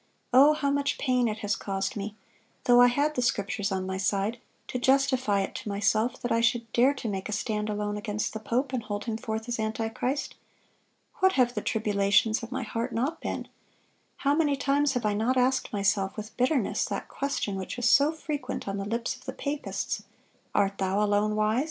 O, how much pain it has caused me, though I had the Scriptures on my side, to justify it to myself that I should dare to make a stand alone against the pope, and hold him forth as antichrist! What have the tribulations of my heart not been! How many times have I not asked myself with bitterness that question which was so frequent on the lips of the papists: 'Art thou alone wise?